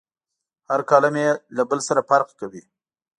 هر کالم یې له بل سره فرق کوي.